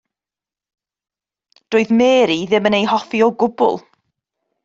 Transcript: Doedd Mary ddim yn ei hoffi o gwbl.